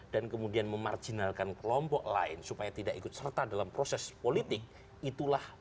dan kemudian memarjinalkan kelompok lain supaya tidak ikut serta dalam proses politik itulah